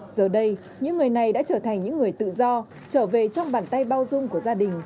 giờ đây những người này đã trở thành những người tự do trở về trong bàn tay bao dung của gia đình